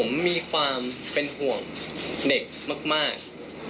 ผมมีความเป็นห่วงเด็กมาก